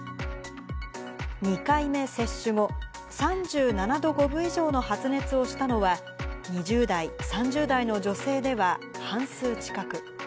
２回目接種後、３７度５分以上の発熱をしたのは、２０代、３０代の女性では半数近く。